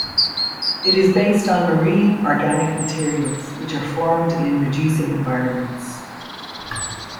It is based on marine organic materials, which are formed in reducing environments.